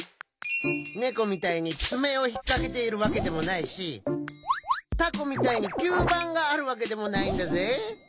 ネコみたいにつめをひっかけているわけでもないしタコみたいにきゅうばんがあるわけでもないんだぜ？